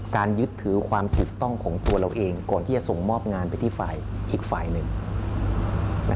ยึดถือความถูกต้องของตัวเราเองก่อนที่จะส่งมอบงานไปที่ฝ่ายอีกฝ่ายหนึ่ง